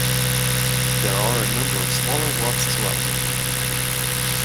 There are a number of smaller walks as well.